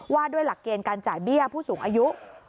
ว่าด้วยหลักเกณฑ์การจ่ายเบี้ยผู้สูงอายุ